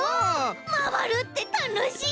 まわるってたのしい！